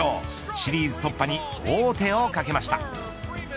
シリーズ突破に王手をかけました。